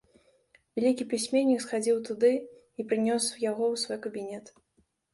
Вялікі пісьменнік схадзіў туды й прынёс яго ў свой кабінет.